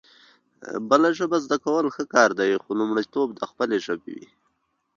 بله ژبه زده کول ښه کار دی خو لومړيتوب د خپلې ژبې وي